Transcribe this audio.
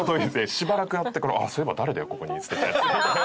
しばらく経ってから「そういえば誰だよここに捨てたやつ」。